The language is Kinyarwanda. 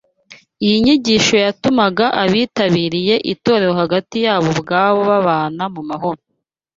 Iyi nyigisho yatumaga abitabiriye itorero hagati yabo ubwabo babana mu mahoro